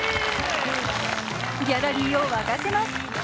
ギャラリーを沸かせます。